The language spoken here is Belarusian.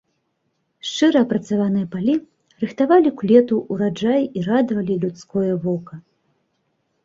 Шчыра апрацаваныя палі рыхтавалі к лету ўраджай і радавалі людское вока.